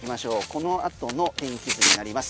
この後の天気図になります。